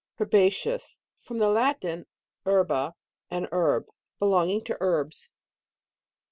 HERBACEOUS. From the Latin, herba, an herb. Belonging to herbs.